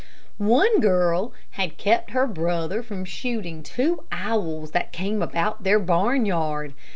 One girl had kept her brother from shooting two owls that came about their barnyard.